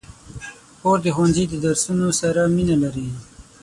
خور د ښوونځي د درسونو سره مینه لري.